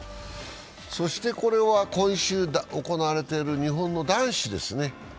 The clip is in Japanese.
そしてこれは今週行われている日本の男子ですね。